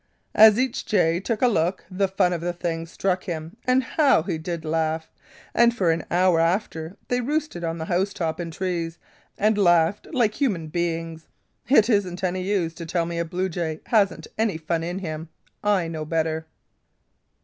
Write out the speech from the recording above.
"As each jay took a look, the fun of the thing struck him, and how he did laugh. And for an hour after they roosted on the housetop and trees, and laughed like human beings. It isn't any use to tell me a bluejay hasn't any fun in him. I know better."